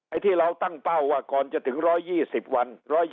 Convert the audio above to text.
ที่เราตั้งเป้าว่าก่อนจะถึง๑๒๐วัน